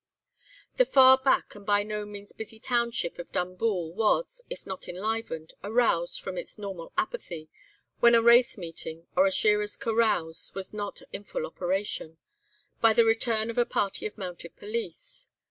The far back, and by no means busy township of Dumbool was, if not enlivened, aroused from its normal apathy (when a race meeting, or a shearer's carouse was not in full operation), by the return of a party of mounted police.